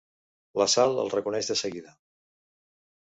La Sal el reconeix de seguida.